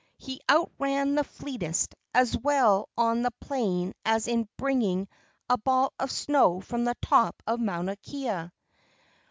He outran the fleetest, as well on the plain as in bringing a ball of snow from the top of Mauna Kea.